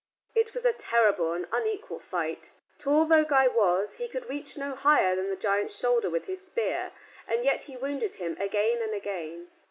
It was a terrible and unequal fight. Tall though Guy was, he could reach no higher than the giant's shoulder with his spear, but yet he wounded him again and again.